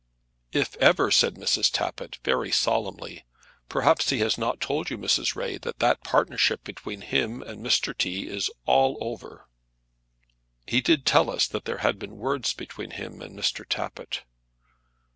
"If ever ," said Mrs. Tappitt, very solemnly. "Perhaps he has not told you, Mrs. Ray, that that partnership between him and Mr. T. is all over." "He did tell us that there had been words between him and Mr. Tappitt."